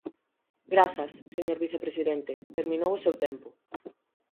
Grazas, señor vicepresidente, terminou o seu tempo.